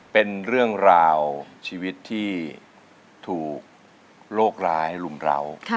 เป็นเรื่องราวชีวิตที่ถูกโรคร้ายรุมราว